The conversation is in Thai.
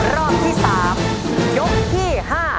รอบที่๓ยกที่๕